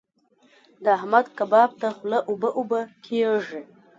د احمد کباب ته خوله اوبه اوبه کېږي.